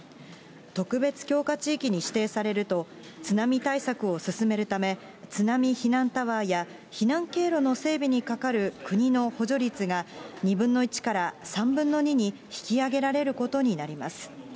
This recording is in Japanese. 特別強化地域に指定されると、津波対策を進めるため、津波避難タワーや、避難経路の整備にかかる国の補助率が、２分の１から３分の２に引き上げられることになります。